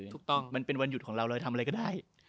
ถูกต้องมันเป็นวันหยุดของเราเราจะทำอะไรก็ได้